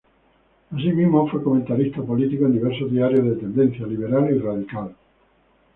Asimismo, fue comentarista político en diversos diarios de tendencia liberal y radical.